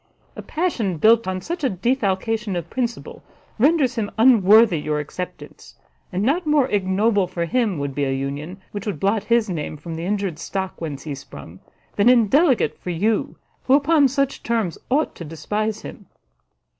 A passion built on such a defalcation of principle renders him unworthy your acceptance; and not more ignoble for him would be a union which would blot his name from the injured stock whence he sprung, than indelicate for you, who upon such terms ought to despise him."